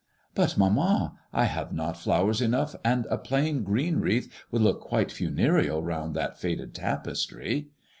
*'But, mamma, I have not flowers enough, and a plain green wreath would look quite funereal round that faded tapestry."